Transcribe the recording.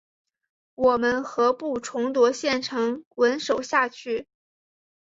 我们何不重夺县城稳守下去？